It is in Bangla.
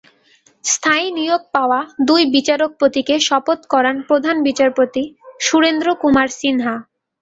স্থায়ী নিয়োগ পাওয়া দুই বিচারপতিকে শপথ করান প্রধান বিচারপতি সুরেন্দ্র কুমার সিনহা।